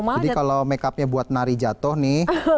jadi kalau makeupnya buat nari jatuh nih